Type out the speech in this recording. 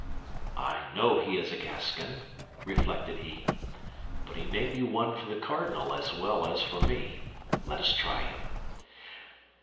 "I know he is a Gascon," reflected he, "but he may be one for the cardinal as well as for me. Let us try him."